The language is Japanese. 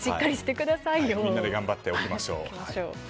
みんなで頑張って起きましょう。